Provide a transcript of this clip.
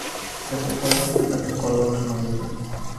তেঁতুলতলা থেকে তাদের কলবর শোনা যেত।